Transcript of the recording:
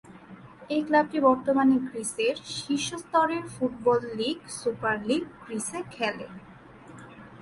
এই ক্লাবটি বর্তমানে গ্রিসের শীর্ষ স্তরের ফুটবল লীগ সুপার লীগ গ্রিসে খেলে।